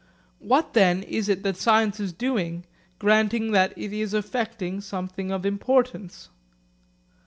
What then is it that science is doing, granting that it is effecting something of importance?